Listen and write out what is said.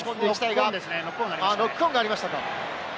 ノックオンになりましたね。